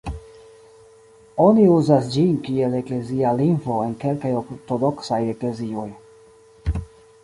Oni uzas ĝin kiel eklezia lingvo en kelkaj Ortodoksaj eklezioj.